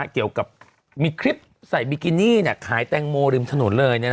เกี่ยวกับมีคลิปใส่บิกินี่ขายแตงโมริมถนนเลย